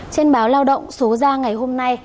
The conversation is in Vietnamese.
trên báo lao động số ra ngày hôm nay